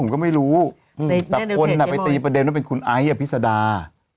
ผมก็ไม่รู้ทีประเด็นว่าเป็นคุณไอ้พิสดา